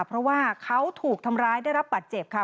เพราะว่าเขาถูกทำร้ายได้รับบัตรเจ็บค่ะ